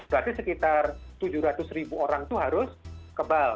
berarti sekitar tujuh ratus ribu orang itu harus kebal